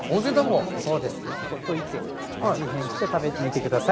といて、味変して食べてみてください。